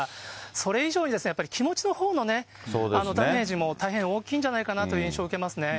それ以上にやっぱり、気持ちのほうのね、ダメージも大変大きいんじゃないかなという印象受けますね。